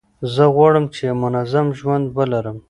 زه غواړم چي یو منظم ژوند ولرم.